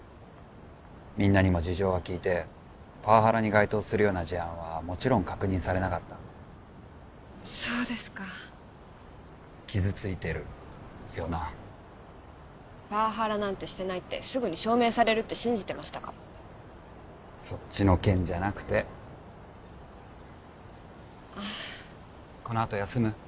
みんなにも事情は聴いてパワハラに該当するような事案はもちろん確認されなかったそうですか傷ついてるよなパワハラなんてしてないってすぐに証明されるって信じてましたからそっちの件じゃなくてああこのあと休む？